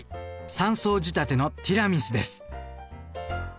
３層仕立てのティラミスです。